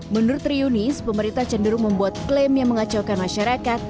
menurut triunis pemerintah cenderung membuat klaim yang mengacaukan masyarakat